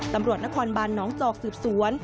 ตำรวจนครบานน้องจอกสืบสวน